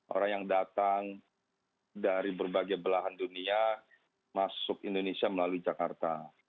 orang yang datang dari berbagai belahan dunia masuk indonesia melalui jakarta